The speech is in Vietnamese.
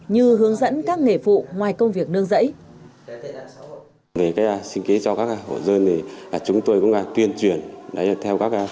như hướng dẫn các nghệ thuật